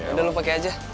udah lo pake aja